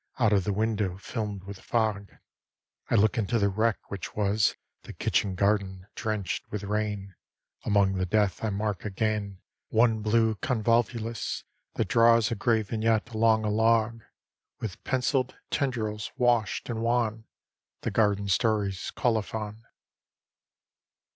Out of the window, filmed with fog, I look into the wreck which was The kitchen garden, drenched with rain; Among the death I mark again One blue convolvulus that draws A gray vignette along a log, With pencilled tendrils washed and wan The garden story's colophon.